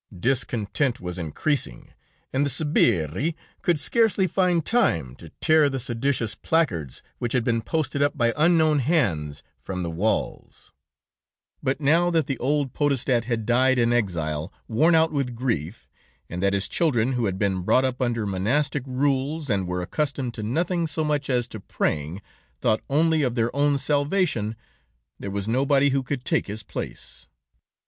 "Discontent was increasing, and the sbirri could scarcely find time to tear the seditious placards, which had been posted up by unknown hands, from the walls. [Footnote 24: Italian police officers. TRANSLATOR] "But now that the old podestat had died in exile, worn out with grief, and that his children, who had been brought up under monastic rules, and were accustomed to nothing so much as to praying, thought only of their own salvation, there was nobody who could take his place.